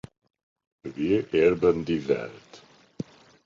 Wir erben die Welt!